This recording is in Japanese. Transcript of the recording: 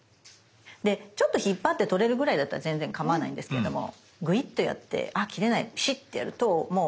でちょっと引っ張って取れるぐらいだったら全然構わないんですけれどもグイッとやってあ切れないピシッてやるともう。